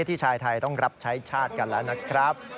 ที่ชายไทยต้องรับใช้ชาติกันแล้วนะครับ